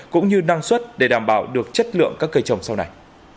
cũng như năng suất để đảm bảo được chất lượng các cây trồng sau này